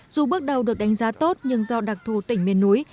dù bước đầu được đánh giá tốt nhưng do đặc thù tỉnh miền núi